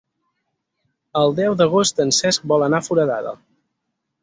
El deu d'agost en Cesc vol anar a Foradada.